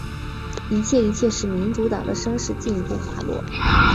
一切一切使民主党的声势进一步滑落。